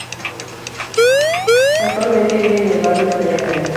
Actualmente viven en el barrio Playa Grande.